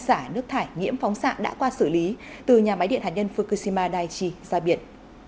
xả nước thải nhiễm phóng xạ đã qua xử lý từ nhà máy điện hạt nhân fukushima daichi ra biển